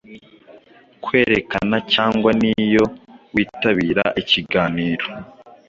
kwerekana cyangwa niyo witabira ikiganiro